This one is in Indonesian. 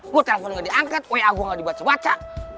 gua telpon ga diangkat wa gua ga dibaca baca